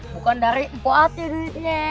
bukan dari kuatnya duitnya